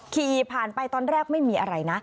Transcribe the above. ขี่ผ่านไปตอนแรกไม่มีอะไรนะ